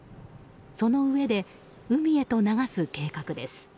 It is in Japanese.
そのうえで、海へと流す計画です。